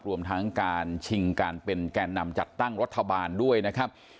รวมทั้งการชิงการเป็นแก่นำจัดตั้งรัฐบาลด้วยนะครับ